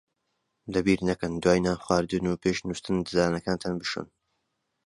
لەبیر نەکەن دوای نان خواردن و پێش نووستن ددانەکانتان بشۆن.